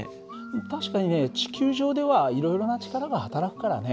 確かにね地球上ではいろいろな力がはたらくからね。